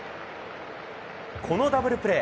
このダブルプレー